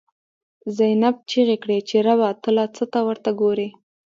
«زینب» چیغی کړی چه ربه، ته لا څه ته ورته گوری